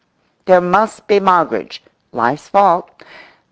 There must be Moggridge—life's fault.